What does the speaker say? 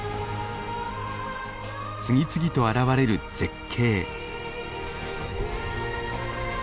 次々と現れる絶景。